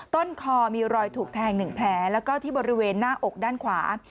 ต้นคอมีรอยถูกแทง๑แผลแล้วก็ที่บริเวณหน้าอกด้านขวา